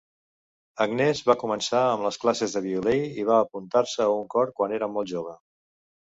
Agnès va començar amb les classes de violí i va apuntar-se a un cor quan era molt jove.